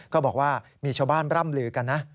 ก็บอกว่ามีชาวบ้านร่ำลือกันนะ